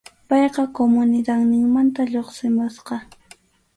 Payqa comunidadninmanta lluqsimusqa.